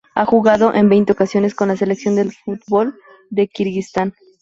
Ha jugado en veinte ocasiones con la selección de fútbol de Kirguistán.